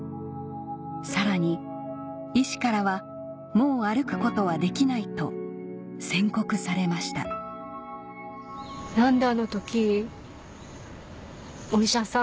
さらに医師からは「もう歩くことはできない」と宣告されましたって思って。